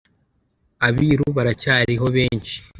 Abiru baracyariho bemshi